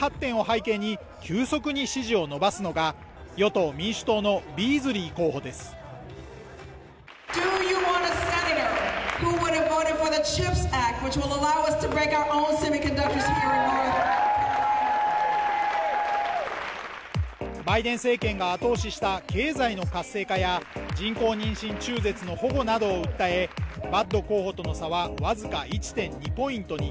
こうした州内の経済発展を背景に急速に支持を伸ばすのが与党・民主党のビーズリー候補ですバイデン政権が経済の活性化や人工妊娠中絶の保護などを訴えバッド候補との差はわずか１．２ポイントに